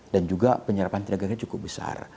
dan juga penyerapan tenaga kita cukup besar